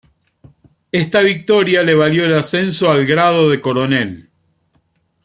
Esta victoria le valió el ascenso al grado de coronel.